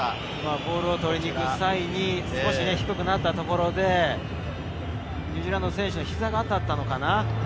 ボールを取りに行く際に少し低くなったところで、ニュージーランドの選手の膝が当たったのかな？